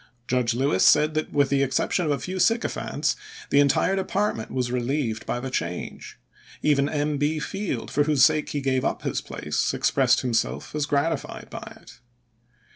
Judge Lewis said that with the exception of a few sycophants the entire department was relieved by the change. Even M. B. Field, for whose sake he gave up his place, expressed himself as gratified by it.